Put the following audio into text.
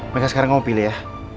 mereka sekarang mau pilih ya